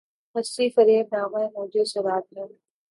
ہستی‘ فریب نامۂ موجِ سراب ہے